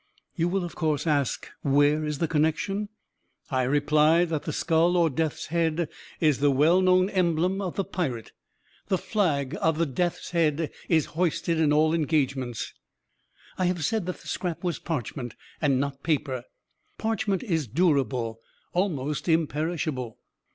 You will, of course, ask 'where is the connection?' I reply that the skull, or death's head, is the well known emblem of the pirate. The flag of the death's head is hoisted in all engagements. "I have said that the scrap was parchment, and not paper. Parchment is durable almost imperishable.